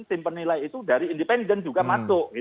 tim penilai itu dari independen juga masuk